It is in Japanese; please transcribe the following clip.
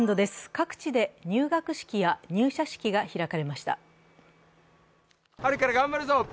各地で入学式や入社式が開かれました。